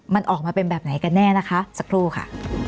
มันออกมาเป็นแบบไหนกันแน่นะคะสักครู่ค่ะ